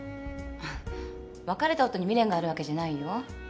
別れた夫に未練があるわけじゃないよ。